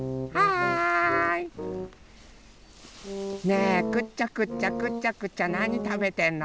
ねえくちゃくちゃくちゃくちゃなにたべてんの？